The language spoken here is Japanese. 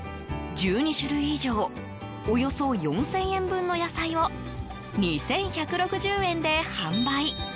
１２種類以上およそ４０００円分の野菜を２１６０円で販売。